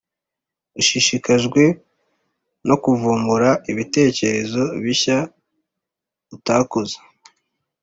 ushishikajwe no kuvumbura ibitekerezo bishya utakoze.